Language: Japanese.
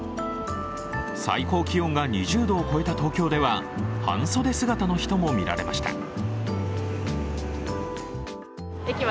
最高気温が２０度を超えた東京では半袖姿の人も見られました。